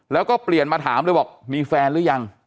แล้วก็เปลี่ยนมาถามเลยบอกมีแฟนหรือยัง